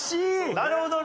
なるほどね。